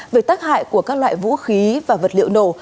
về tác hại của các loại vũ khí và vật liệu nổ